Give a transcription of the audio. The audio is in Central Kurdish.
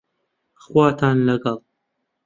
خواتان لەگەڵ